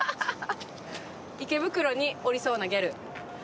「池袋におりそうなギャル」